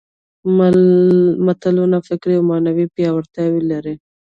متلونه فکري او معنوي پياوړتیا لري